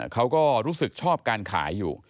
เขาก็รู้สึกชอบการขายอยู่